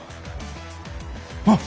あっ！